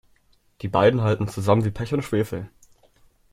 Die beiden halten zusammen wie Pech und Schwefel.